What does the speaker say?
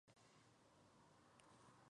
Su hermano, Eric, ha fallecido.